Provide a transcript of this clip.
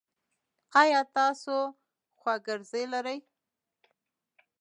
ایا تاسو خواګرځی لری؟